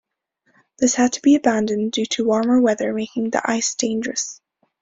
This had to be abandoned due to warmer weather making the ice dangerous.